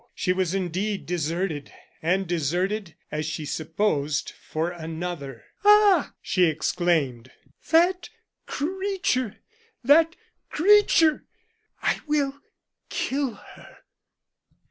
She was indeed deserted, and deserted, as she supposed, for another. "Ah!" she exclaimed, "that creature! that creature! I will kill her!"